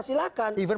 silahkan membuat acara